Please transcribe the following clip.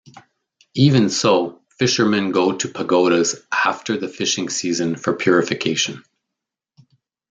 Even so, fishermen go to pagodas after the fishing season for purification.